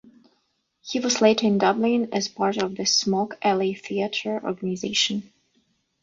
He was later in Dublin as part of the Smock Alley Theatre organisation.